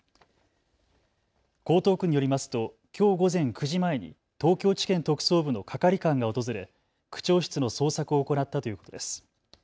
江東区によりますときょう午前９時前に東京地検特捜部の係官が訪れ区長室の捜索を行ったということです。